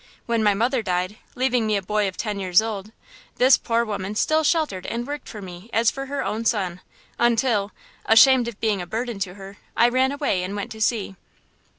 When my mother died, leaving me a boy of ten years old, this poor woman still sheltered and worked for me as for her own son until, ashamed of being a burden to her, I ran away and went to sea."